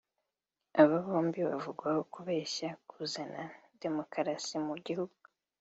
Abo bombo bavugwaho kubeshya kuzana demokarasi mu gihugu